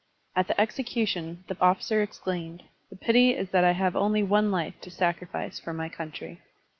At the execution the officer exclaimed, "The pity is that I have only one life to sacrifice for my country."